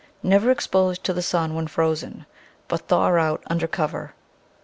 Never expose to the sun when frozen, but thaw out under cover.